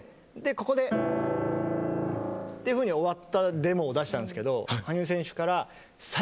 ここで、こういうふうに終わったデモを出したんですけど。